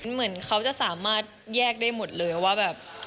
เหมือนเขาจะสามารถแยกได้หมดเลยว่าแบบ